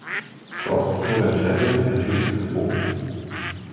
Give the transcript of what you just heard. Crosby wurde in Sheffield, Massachusetts, geboren.